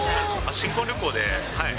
新婚旅行で。